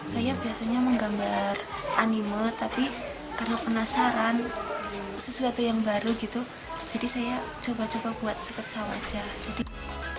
saya biasanya menggambar animo tapi karena penasaran sesuatu yang baru gitu jadi saya coba coba buat sketsa wajah